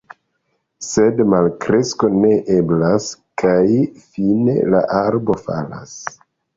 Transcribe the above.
Sed malkresko ne eblas. Kaj fine, la arbo falas.